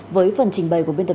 với phần trình bày của bnp